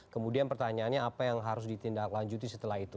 kemudian pertanyaannya apa yang harus ditindaklanjuti setelah itu